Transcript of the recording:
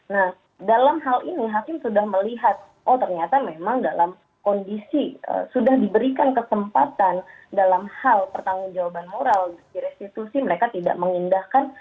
nah dalam hal ini hakim sudah melihat oh ternyata memang dalam kondisi sudah diberikan kesempatan dalam hal pertanggung jawaban moral di restitusi mereka tidak mengindahkan